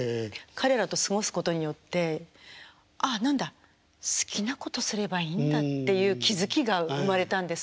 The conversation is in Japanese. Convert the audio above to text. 彼らと過ごすことによって「ああなんだ好きなことすればいいんだ」っていう気付きが生まれたんです